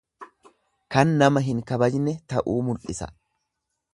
Kan nama hin kabajne ta'uu mul'isa.